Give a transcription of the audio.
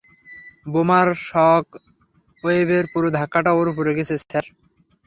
বোমার শকওয়েভের পুরো ধাক্কাটা ওর উপরে গেছে, স্যার।